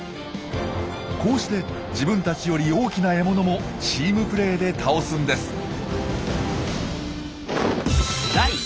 こうして自分たちより大きな獲物もチームプレーで倒すんです。